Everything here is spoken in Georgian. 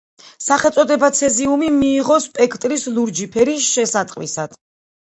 სახელწოდება „ცეზიუმი“ მიიღო სპექტრის ლურჯი ფერის შესატყვისად.